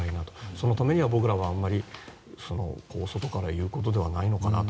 そのためには僕らもあまり外から言うことではないのかなと。